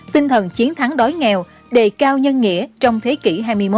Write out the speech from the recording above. tinh thần chiến thắng đói nghèo đề cao nhân nghĩa trong thế kỷ hai mươi một